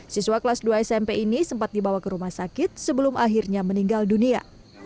siswa kelas dua smp ini sempat dibawa ke rumah sakit sebelum akhirnya meninggal dunia